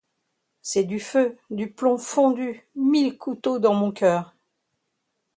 C'est du feu, du plomb fondu, mille couteaux dans mon coeur!